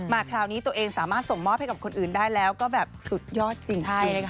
คราวนี้ตัวเองสามารถส่งมอบให้กับคนอื่นได้แล้วก็แบบสุดยอดจริง